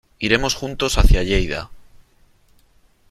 Iremos juntos hacia Lleida.